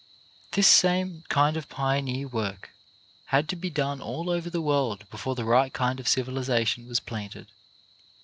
This same kind of pioneer work had to be done all over the world before the right kind of civiliza tion was planted.